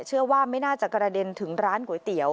เชื่อว่าไม่น่าจะกระเด็นถึงร้านก๋วยเตี๋ยว